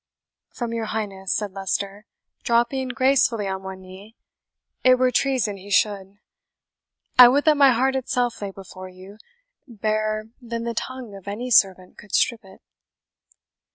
"From your Highness," said Leicester, dropping gracefully on one knee, "it were treason he should. I would that my heart itself lay before you, barer than the tongue of any servant could strip it."